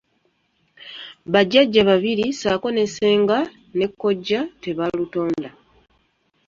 Bajjajja babiri ssaako ssenga ne kkojja tebaalutonda.